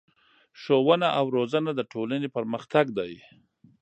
ښوونه او روزنه د ټولنې پرمختګ دی.